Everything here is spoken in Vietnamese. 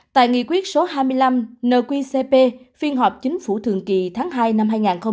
tại nghị quyết số hai mươi năm nqcp phiên họp chính phủ thường kỳ tháng hai năm hai nghìn hai mươi